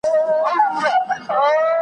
چي زما خوښ يې، ستا به ولي بد اېسم.